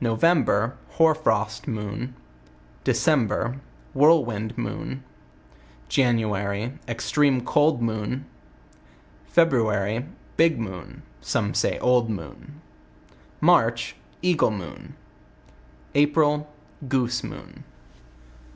November % Hoar frost moon. December Whirlwind moon. January Extreme cold moon. ) Bi<? moon; some say. February Old moon. March Eagle mcon. April Goose moon.